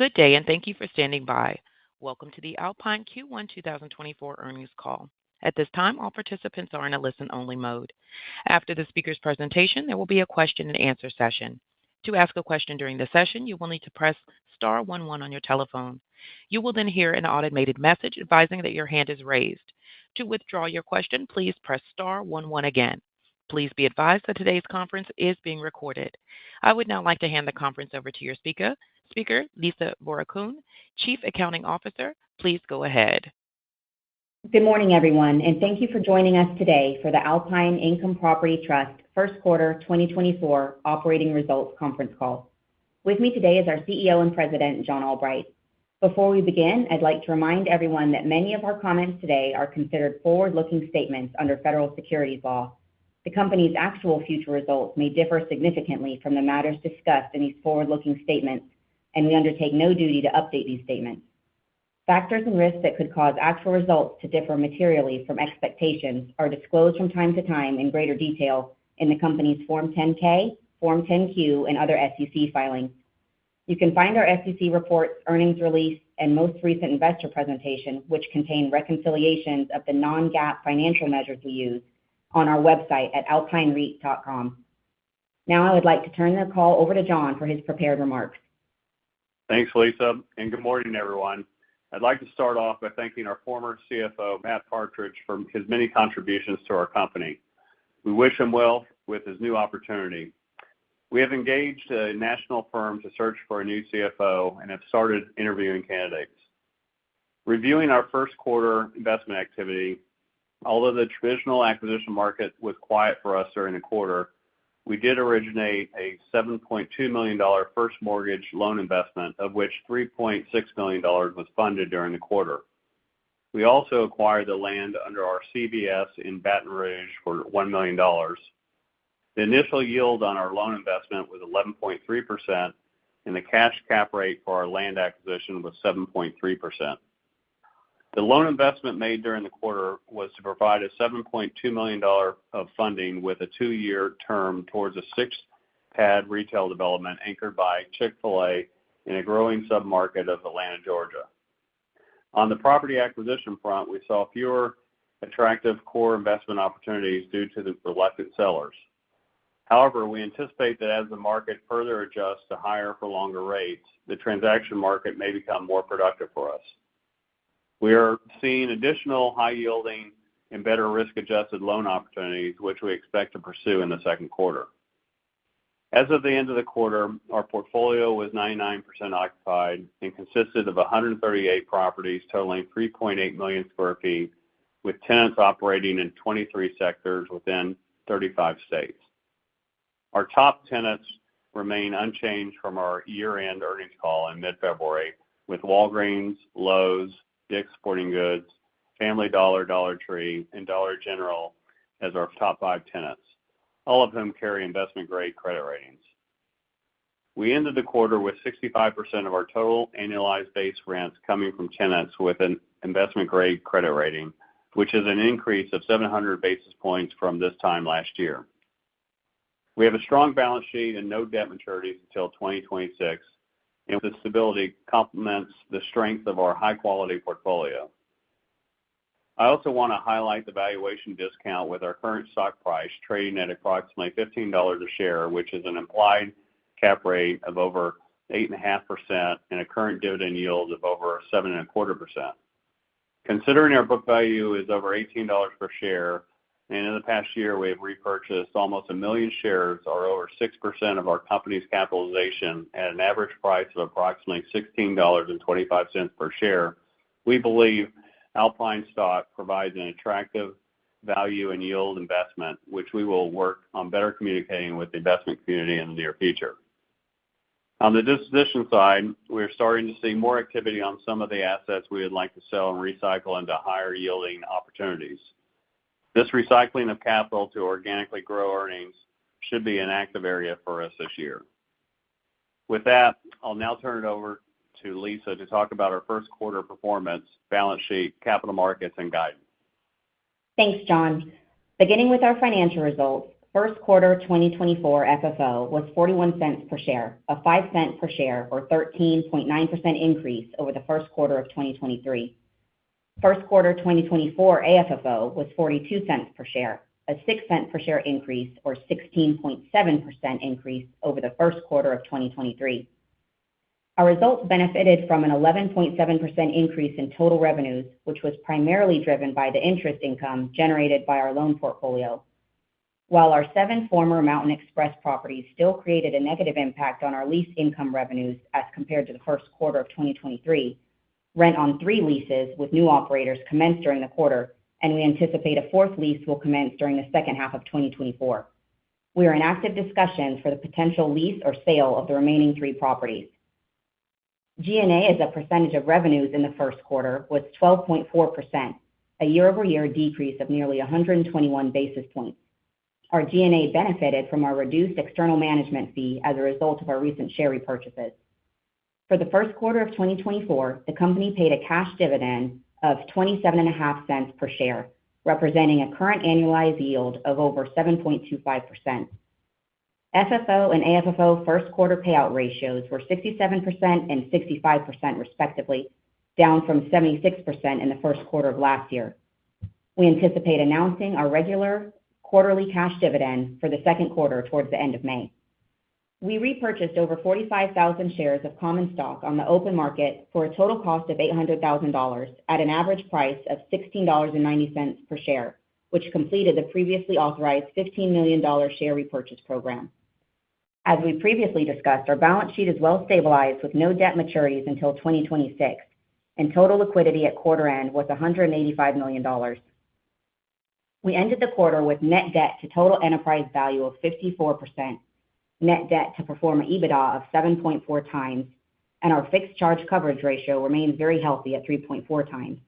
Good day, and thank you for standing by. Welcome to the Alpine Q1 2024 earnings call. At this time, all participants are in a listen-only mode. After the speaker's presentation, there will be a question-and-answer session. To ask a question during the session, you will need to press star one, one on your telephone. You will then hear an automated message advising that your hand is raised. To withdraw your question, please press star one one again. Please be advised that today's conference is being recorded. I would now like to hand the conference over to your speaker. Speaker, Lisa Vorakoun, Chief Accounting Officer, please go ahead. Good morning, everyone, and thank you for joining us today for the Alpine Income Property Trust first quarter 2024 operating results conference call. With me today is our CEO and President, John Albright. Before we begin, I'd like to remind everyone that many of our comments today are considered forward-looking statements under federal securities law. The company's actual future results may differ significantly from the matters discussed in these forward-looking statements, and we undertake no duty to update these statements. Factors and risks that could cause actual results to differ materially from expectations are disclosed from time to time in greater detail in the company's Form 10-K, Form 10-Q, and other SEC filings. You can find our SEC reports, earnings release, and most recent investor presentation, which contain reconciliations of the non-GAAP financial measures we use, on our website at alpinereit.com. Now I would like to turn the call over to John for his prepared remarks. Thanks, Lisa, and good morning, everyone. I'd like to start off by thanking our former CFO, Matt Partridge, for his many contributions to our company. We wish him well with his new opportunity. We have engaged a national firm to search for a new CFO and have started interviewing candidates. Reviewing our first quarter investment activity, although the traditional acquisition market was quiet for us during the quarter, we did originate a $7.2 million first mortgage loan investment, of which $3.6 million was funded during the quarter. We also acquired the land under our CVS in Baton Rouge for $1 million. The initial yield on our loan investment was 11.3%, and the cash cap rate for our land acquisition was 7.3%. The loan investment made during the quarter was to provide a $7.2 million of funding with a 2-year term towards a 6-pad retail development anchored by Chick-fil-A in a growing submarket of Atlanta, Georgia. On the property acquisition front, we saw fewer attractive core investment opportunities due to the reluctant sellers. However, we anticipate that as the market further adjusts to higher-for-longer rates, the transaction market may become more productive for us. We are seeing additional high-yielding and better-risk-adjusted loan opportunities, which we expect to pursue in the second quarter. As of the end of the quarter, our portfolio was 99% occupied and consisted of 138 properties totaling 3.8 million sq ft, with tenants operating in 23 sectors within 35 states. Our top tenants remain unchanged from our year-end earnings call in mid-February, with Walgreens, Lowe's, Dick's Sporting Goods, Family Dollar, Dollar Tree, and Dollar General as our top five tenants, all of whom carry investment grade credit ratings. We ended the quarter with 65% of our total annualized base rents coming from tenants with an investment grade credit rating, which is an increase of 700 basis points from this time last year. We have a strong balance sheet and no debt maturities until 2026, and the stability complements the strength of our high-quality portfolio. I also want to highlight the valuation discount with our current stock price trading at approximately $15 a share, which is an implied cap rate of over 8.5% and a current dividend yield of over 7.25%. Considering our book value is over $18 per share, and in the past year we have repurchased almost 1 million shares or over 6% of our company's capitalization at an average price of approximately $16.25 per share, we believe Alpine stock provides an attractive value and yield investment, which we will work on better communicating with the investment community in the near future. On the disposition side, we are starting to see more activity on some of the assets we would like to sell and recycle into higher-yielding opportunities. This recycling of capital to organically grow earnings should be an active area for us this year. With that, I'll now turn it over to Lisa to talk about our first quarter performance, balance sheet, capital markets, and guidance. Thanks, John. Beginning with our financial results, first quarter 2024 FFO was $0.41 per share, a $0.05 per share or 13.9% increase over the first quarter of 2023. First quarter 2024 AFFO was $0.42 per share, a $0.06 per share increase or 16.7% increase over the first quarter of 2023. Our results benefited from an 11.7% increase in total revenues, which was primarily driven by the interest income generated by our loan portfolio. While our seven former Mountain Express properties still created a negative impact on our lease income revenues as compared to the first quarter of 2023, rent on three leases with new operators commenced during the quarter, and we anticipate a fourth lease will commence during the second half of 2024. We are in active discussions for the potential lease or sale of the remaining three properties. G&A as a percentage of revenues in the first quarter was 12.4%, a year-over-year decrease of nearly 121 basis points. Our G&A benefited from our reduced external management fee as a result of our recent share repurchases. For the first quarter of 2024, the company paid a cash dividend of $0.275 per share, representing a current annualized yield of over 7.25%. FFO and AFFO first quarter payout ratios were 67% and 65% respectively, down from 76% in the first quarter of last year. We anticipate announcing our regular quarterly cash dividend for the second quarter towards the end of May. We repurchased over 45,000 shares of common stock on the open market for a total cost of $800,000 at an average price of $16.90 per share, which completed the previously authorized $15 million share repurchase program. As we previously discussed, our balance sheet is well stabilized with no debt maturities until 2026, and total liquidity at quarter end was $185 million. We ended the quarter with net debt to total enterprise value of 54%, net debt to pro forma EBITDA of 7.4x, and our fixed charge coverage ratio remains very healthy at 3.4x.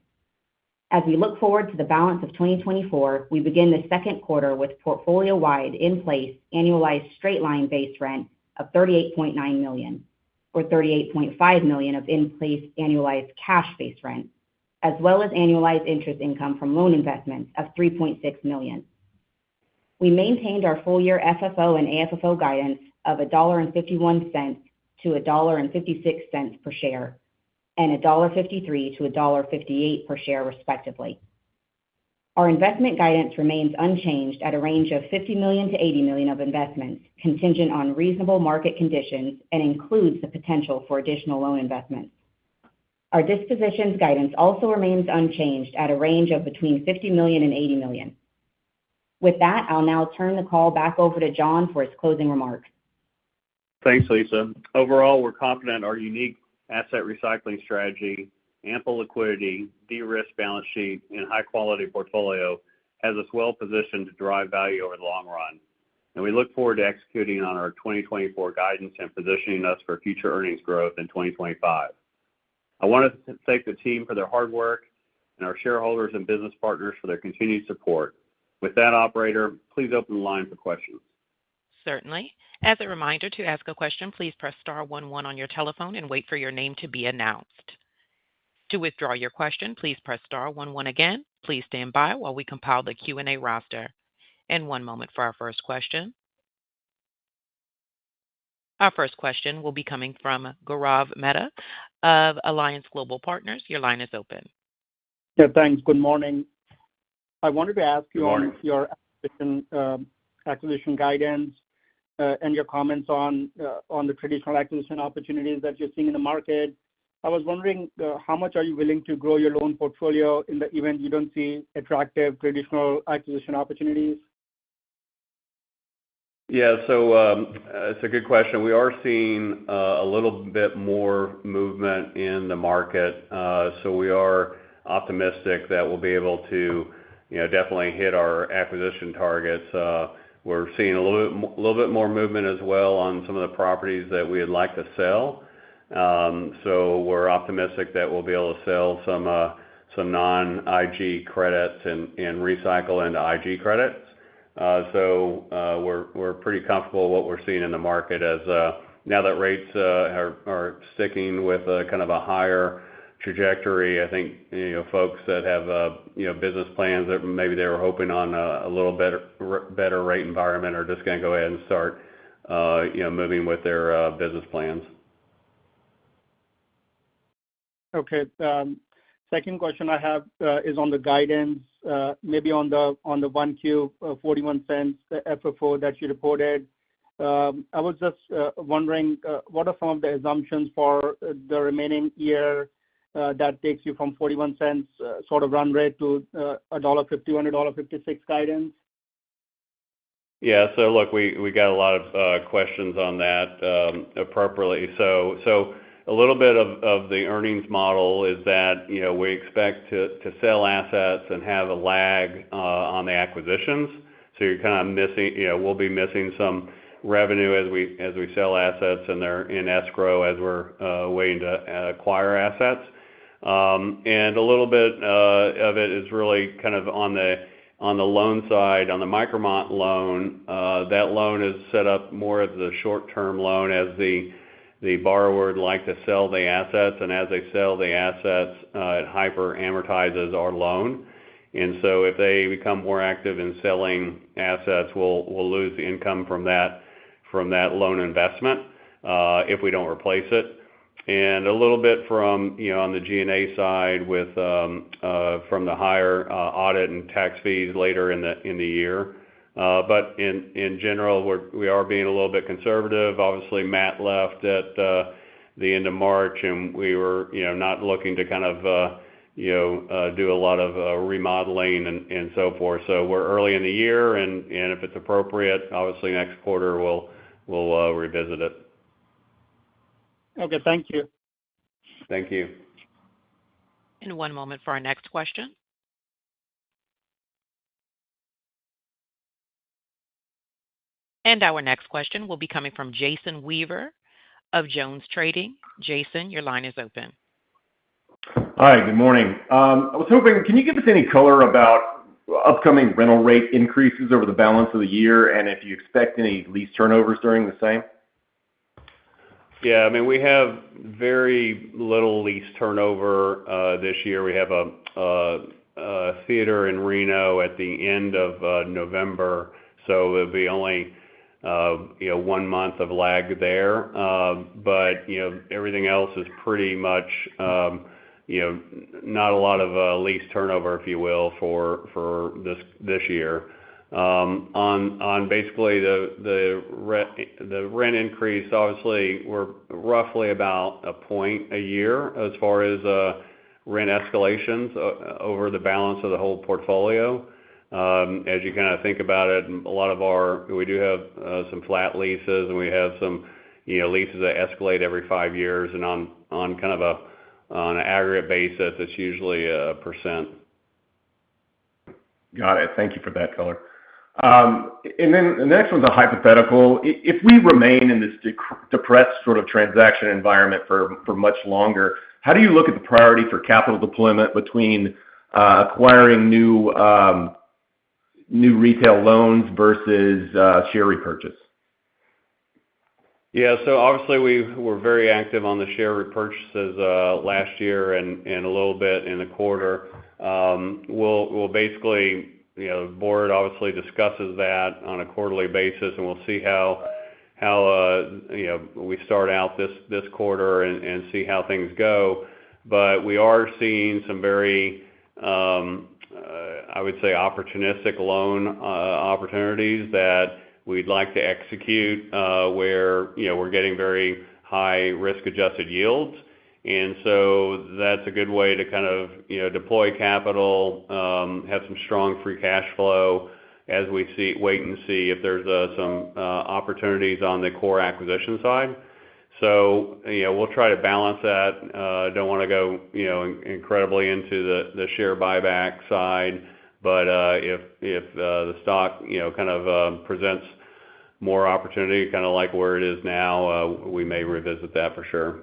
As we look forward to the balance of 2024, we begin the second quarter with portfolio-wide in-place annualized straight-line base rent of $38.9 million or $38.5 million of in-place annualized cash base rent, as well as annualized interest income from loan investments of $3.6 million. We maintained our full-year FFO and AFFO guidance of $1.51-$1.56 per share and $1.53-$1.58 per share respectively. Our investment guidance remains unchanged at a range of $50 million-$80 million of investments, contingent on reasonable market conditions, and includes the potential for additional loan investments. Our dispositions guidance also remains unchanged at a range of between $50 million and $80 million. With that, I'll now turn the call back over to John for his closing remarks. Thanks, Lisa. Overall, we're confident our unique asset recycling strategy, ample liquidity, de-risk balance sheet, and high-quality portfolio has us well positioned to drive value over the long run, and we look forward to executing on our 2024 guidance and positioning us for future earnings growth in 2025. I want to thank the team for their hard work and our shareholders and business partners for their continued support. With that, operator, please open the line for questions. Certainly. As a reminder, to ask a question, please press star one one on your telephone and wait for your name to be announced. To withdraw your question, please press star one one again. Please stand by while we compile the Q&A roster. One moment for our first question. Our first question will be coming from Gaurav Mehta of Alliance Global Partners. Your line is open. Yeah, thanks. Good morning. I wanted to ask your acquisition guidance and your comments on the traditional acquisition opportunities that you're seeing in the market. I was wondering, how much are you willing to grow your loan portfolio in the event you don't see attractive traditional acquisition opportunities? Yeah, so it's a good question. We are seeing a little bit more movement in the market, so we are optimistic that we'll be able to definitely hit our acquisition targets. We're seeing a little bit more movement as well on some of the properties that we would like to sell, so we're optimistic that we'll be able to sell some non-IG credits and recycle into IG credits. So we're pretty comfortable with what we're seeing in the market. Now that rates are sticking with kind of a higher trajectory, I think folks that have business plans that maybe they were hoping on a little better rate environment are just going to go ahead and start moving with their business plans. Okay. Second question I have is on the guidance, maybe on the Q1, $0.41 FFO that you reported. I was just wondering, what are some of the assumptions for the remaining year that takes you from $0.41 sort of run rate to $1.51-$1.56 guidance? Yeah, so look, we got a lot of questions on that appropriately. So a little bit of the earnings model is that we expect to sell assets and have a lag on the acquisitions, so you're kind of missing we'll be missing some revenue as we sell assets and they're in escrow as we're waiting to acquire assets. And a little bit of it is really kind of on the loan side, on the McCrum loan. That loan is set up more as a short-term loan as the borrower would like to sell the assets, and as they sell the assets, it hyper-amortizes our loan. And so if they become more active in selling assets, we'll lose the income from that loan investment if we don't replace it. And a little bit from on the G&A side from the higher audit and tax fees later in the year. In general, we are being a little bit conservative. Obviously, Matt left at the end of March, and we were not looking to kind of do a lot of remodeling and so forth. We're early in the year, and if it's appropriate, obviously, next quarter we'll revisit it. Okay. Thank you. Thank you. One moment for our next question. Our next question will be coming from Jason Weaver of JonesTrading. Jason, your line is open. Hi, good morning. I was hoping, can you give us any color about upcoming rental rate increases over the balance of the year and if you expect any lease turnovers during the same? Yeah, I mean, we have very little lease turnover this year. We have a theater in Reno at the end of November, so it'll be only 1 month of lag there. But everything else is pretty much not a lot of lease turnover, if you will, for this year. On basically the rent increase, obviously, we're roughly about 1 point a year as far as rent escalations over the balance of the whole portfolio. As you kind of think about it, a lot of ours we do have some flat leases, and we have some leases that escalate every 5 years. And on kind of an aggregate basis, it's usually 1%. Got it. Thank you for that color. Then the next one's a hypothetical. If we remain in this depressed sort of transaction environment for much longer, how do you look at the priority for capital deployment between acquiring new retail loans versus share repurchase? Yeah, so obviously, we were very active on the share repurchases last year and a little bit in the quarter. We'll basically, the board obviously discusses that on a quarterly basis, and we'll see how we start out this quarter and see how things go. But we are seeing some very, I would say, opportunistic loan opportunities that we'd like to execute where we're getting very high risk-adjusted yields. And so that's a good way to kind of deploy capital, have some strong free cash flow as we wait and see if there's some opportunities on the core acquisition side. So we'll try to balance that. Don't want to go incredibly into the share buyback side, but if the stock kind of presents more opportunity, kind of like where it is now, we may revisit that for sure.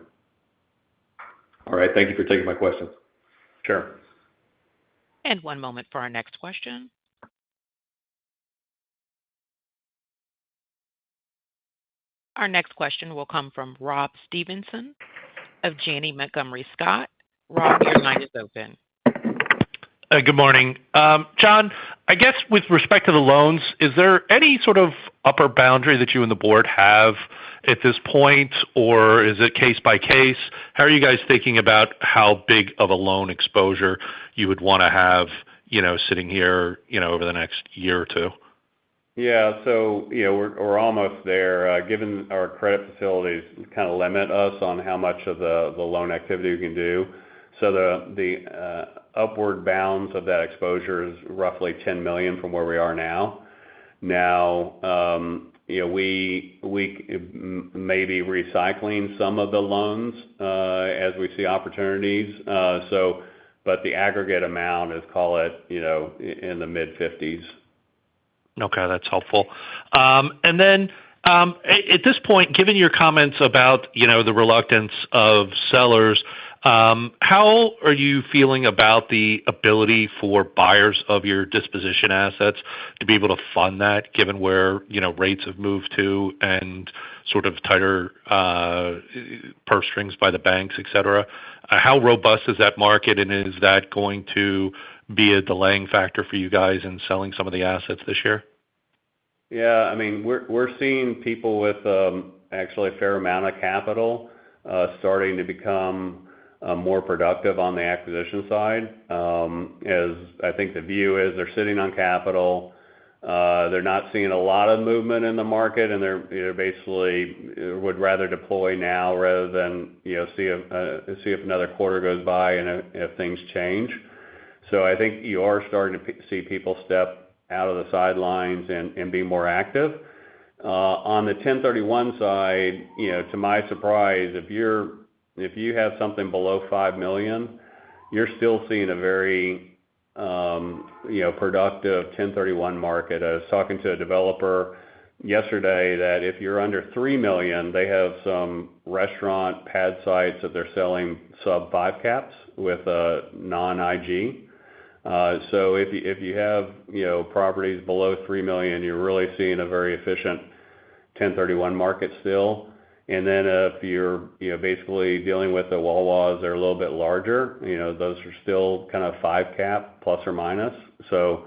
All right. Thank you for taking my questions. Sure. One moment for our next question. Our next question will come from Rob Stevenson of Janney Montgomery Scott. Rob, your line is open. Good morning. John, I guess with respect to the loans, is there any sort of upper boundary that you and the board have at this point, or is it case by case? How are you guys thinking about how big of a loan exposure you would want to have sitting here over the next year or two? Yeah, so we're almost there. Given our credit facilities kind of limit us on how much of the loan activity we can do, so the upward bounds of that exposure is roughly $10 million from where we are now. Now, we may be recycling some of the loans as we see opportunities, but the aggregate amount, let's call it, in the mid-$50s. Okay. That's helpful. And then at this point, given your comments about the reluctance of sellers, how are you feeling about the ability for buyers of your disposition assets to be able to fund that given where rates have moved to and sort of tighter purse strings by the banks, etc.? How robust is that market, and is that going to be a delaying factor for you guys in selling some of the assets this year? Yeah, I mean, we're seeing people with actually a fair amount of capital starting to become more productive on the acquisition side. I think the view is they're sitting on capital. They're not seeing a lot of movement in the market, and they basically would rather deploy now rather than see if another quarter goes by and if things change. So I think you are starting to see people step out of the sidelines and be more active. On the 1031 side, to my surprise, if you have something below $5 million, you're still seeing a very productive 1031 market. I was talking to a developer yesterday that if you're under $3 million, they have some restaurant pad sites that they're selling sub-5 caps with non-IG. So if you have properties below $3 million, you're really seeing a very efficient 1031 market still. And then if you're basically dealing with the Wawas that are a little bit larger, those are still kind of 5% cap ±. So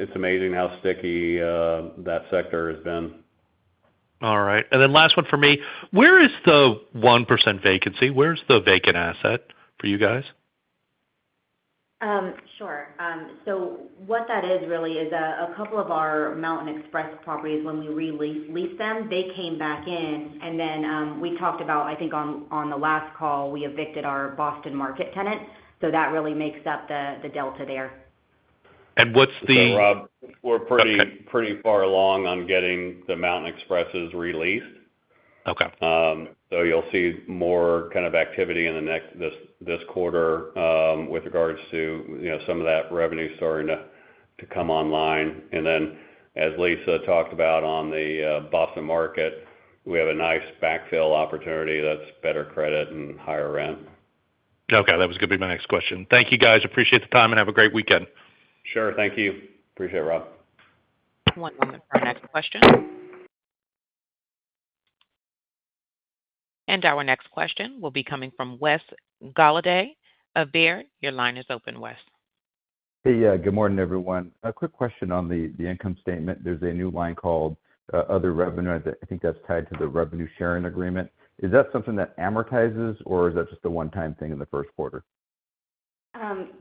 it's amazing how sticky that sector has been. All right. Then last one for me. Where is the 1% vacancy? Where's the vacant asset for you guys? Sure. So what that is really is a couple of our Mountain Express properties, when we release them, they came back in. And then we talked about, I think on the last call, we evicted our Boston Market tenant, so that really makes up the delta there. Sorry, Rob. We're pretty far along on getting the Mountain Expresses released. So you'll see more kind of activity in this quarter with regards to some of that revenue starting to come online. And then as Lisa talked about on the Boston Market, we have a nice backfill opportunity that's better credit and higher rent. Okay. That was going to be my next question. Thank you, guys. Appreciate the time and have a great weekend. Sure. Thank you. Appreciate it, Rob. One moment for our next question. Our next question will be coming from Wes Golladay of Baird. Your line is open, Wes. Hey, yeah. Good morning, everyone. A quick question on the income statement. There's a new line called other revenue. I think that's tied to the revenue sharing agreement. Is that something that amortizes, or is that just a one-time thing in the first quarter?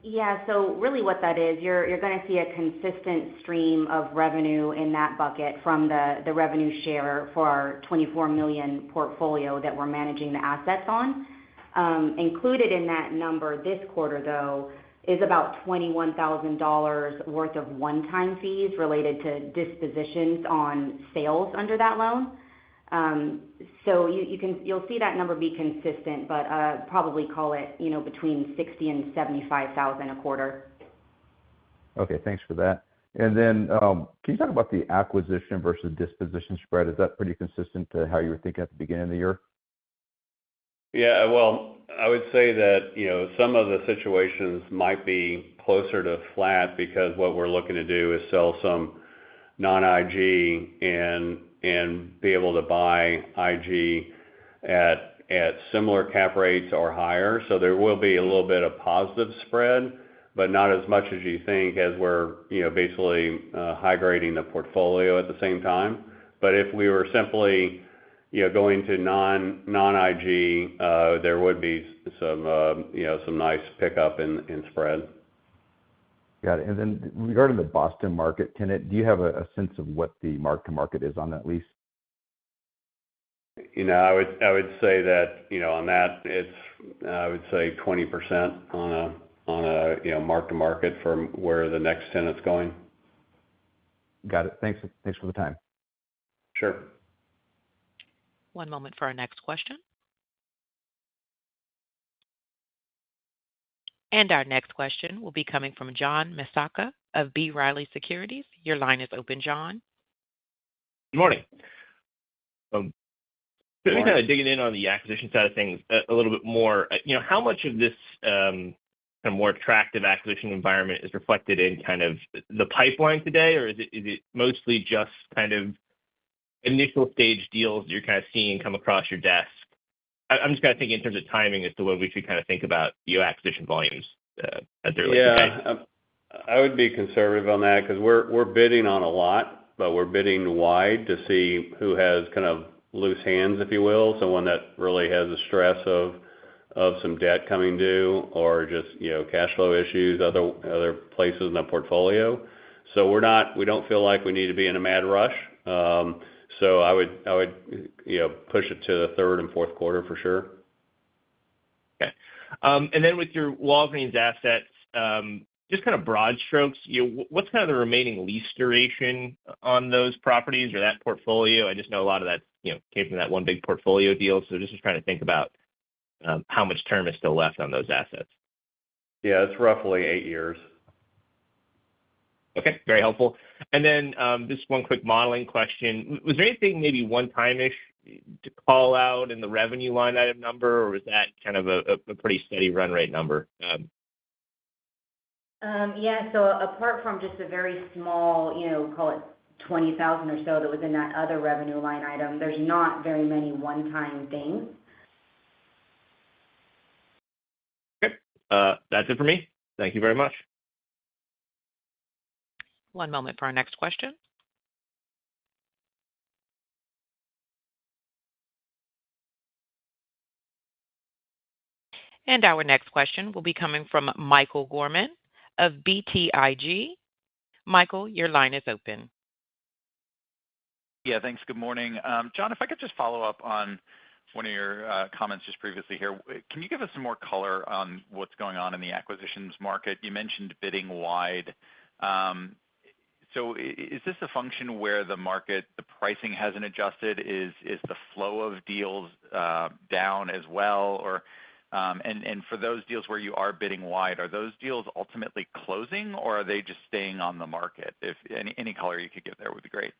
Yeah, so really what that is, you're going to see a consistent stream of revenue in that bucket from the revenue share for our $24 million portfolio that we're managing the assets on. Included in that number this quarter, though, is about $21,000 worth of one-time fees related to dispositions on sales under that loan. So you'll see that number be consistent, but I'd probably call it between $60,000 and $75,000 a quarter. Okay. Thanks for that. And then can you talk about the acquisition versus disposition spread? Is that pretty consistent to how you were thinking at the beginning of the year? Yeah, well, I would say that some of the situations might be closer to flat because what we're looking to do is sell some non-IG and be able to buy IG at similar cap rates or higher. So there will be a little bit of positive spread, but not as much as you think as we're basically high-grading the portfolio at the same time. But if we were simply going to non-IG, there would be some nice pickup in spread. Got it. And then regarding the Boston Market tenant, do you have a sense of what the mark-to-market is on that lease? I would say that on that, it's, I would say, 20% on a mark-to-market from where the next tenant's going. Got it. Thanks for the time. Sure. One moment for our next question. Our next question will be coming from John Massocca of B. Riley Securities. Your line is open, John. Good morning. I'm kind of digging in on the acquisition side of things a little bit more. How much of this kind of more attractive acquisition environment is reflected in kind of the pipeline today, or is it mostly just kind of initial-stage deals that you're kind of seeing come across your desk? I'm just kind of thinking in terms of timing as to when we should kind of think about your acquisition volumes as they're looking at. Yeah, I would be conservative on that because we're bidding on a lot, but we're bidding wide to see who has kind of loose hands, if you will, someone that really has a stress of some debt coming due or just cash flow issues, other places in the portfolio. So we don't feel like we need to be in a mad rush. So I would push it to the third and fourth quarter for sure. Okay. And then with your Walgreens assets, just kind of broad strokes, what's kind of the remaining lease duration on those properties or that portfolio? I just know a lot of that came from that one big portfolio deal, so just trying to think about how much term is still left on those assets. Yeah, it's roughly 8 years. Okay. Very helpful. And then just one quick modeling question. Was there anything maybe one-time-ish to call out in the revenue line item number, or was that kind of a pretty steady run-rate number? Yeah, so apart from just a very small, call it $20,000 or so, that was in that other revenue line item, there's not very many one-time things. Okay. That's it for me. Thank you very much. One moment for our next question. Our next question will be coming from Michael Gorman of BTIG. Michael, your line is open. Yeah, thanks. Good morning. John, if I could just follow up on one of your comments just previously here. Can you give us some more color on what's going on in the acquisitions market? You mentioned bidding wide. So is this a function where the pricing hasn't adjusted? Is the flow of deals down as well? And for those deals where you are bidding wide, are those deals ultimately closing, or are they just staying on the market? Any color you could give there would be great.